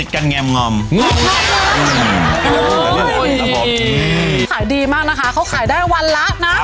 ขายดีมากนะคะเขาขายได้วันละนะ